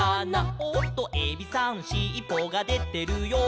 「おっとエビさんしっぽがでてるよ」